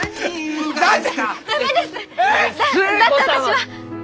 だって私は！